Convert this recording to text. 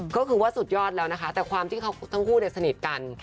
ก็คือว่าสุดยอดแล้วนะคะแต่ความที่เขาทั้งคู่สนิทกัน